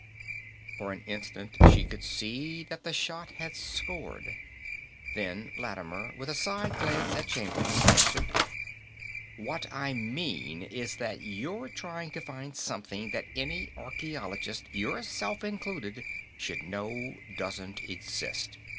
For an instant, she could see that the shot had scored. Then Lattimer, with a side glance at Chamberlain, answered: "What I mean is that you're trying to find something that any archaeologist, yourself included, should know doesn't exist.